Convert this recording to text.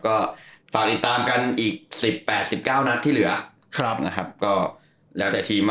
ก็ฝากติดตามกันอีกสิบแปดสิบเก้านัดที่เหลือครับนะครับก็แล้วแต่ทีม